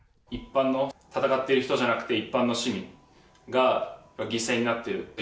一般の、戦ってる人じゃなくて一般の市民が犠牲になってる。